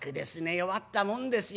弱ったもんですよ。